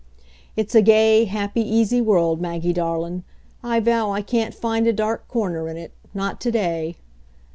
It's a gay, happy, easy world, Maggie darlin'. I vow I can't find a dark corner in it not to day.